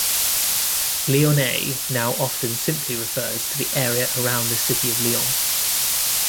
Lyonnais now often simply refers to the area around the city of Lyon.